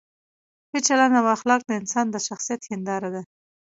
ښه چلند او اخلاق د انسان د شخصیت هنداره ده.